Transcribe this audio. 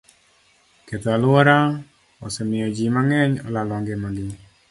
Ketho alwora osemiyo ji mang'eny olalo ngimagi.